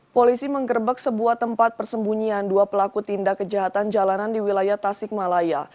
polisi menggerbek sebuah tempat persembunyian dua pelaku tindak kejahatan jalanan di wilayah tasikmalaya